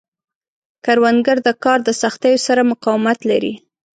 کروندګر د کار د سختیو سره مقاومت لري